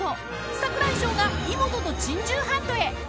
櫻井翔がイモトと珍獣ハントへ！